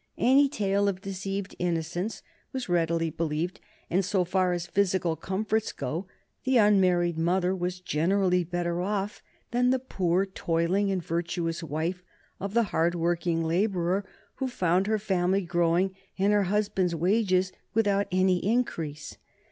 Any tale of deceived innocence was readily believed, and so far as physical comforts go the unmarried mother was generally better off than the poor toiling and virtuous wife of the hard worked laborer who found her family growing and her husband's wages without any increase.